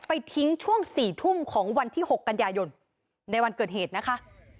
ไปทิ้งช่วง๔ทุ่มของวันที่๖กันยายนในวันเกิดเหตุนะคะ